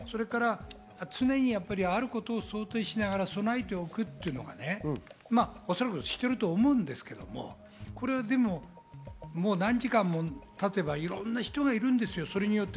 常にあることを想定しながら備えておくっていうのがおそらくしてると思うんですけれど、何時間も経てばいろんな人がいるんですよ。